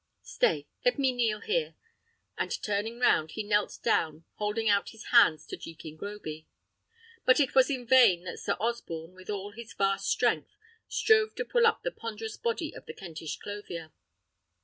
Stay, let me kneel here;" and turning round, he knelt down, holding out his hands to Jekin Groby. But it was in vain that Sir Osborne, with all his vast strength, strove to pull up the ponderous body of the Kentish clothier.